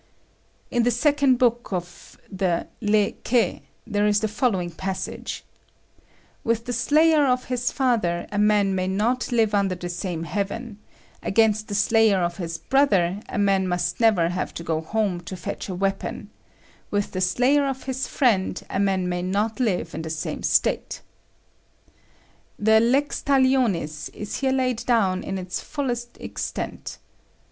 "In the second book of the 'Le Ke' there is the following passage: 'With the slayer of his father a man may not live under the same heaven; against the slayer of his brother a man must never have to go home to fetch a weapon; with the slayer of his friend a man may not live in the same State.' The lex talionis is here laid down in its fullest extent.